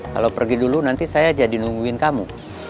kalau pergi dulu nanti saya aja dinungguin kamu